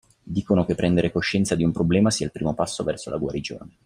Dicono che prendere coscienza di un problema sia il primo passo verso la guarigione.